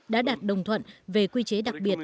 đã đặt đồng thuận về quy chế đặc biệt